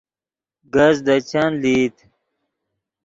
کز دے چند لئیت